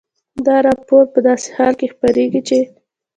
دا راپور په داسې حال کې خپرېږي چې